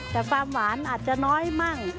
แต่ความหวานอาจจะน้อยมั่ง